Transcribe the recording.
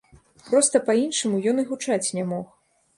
Проста па-іншаму ён і гучаць не мог!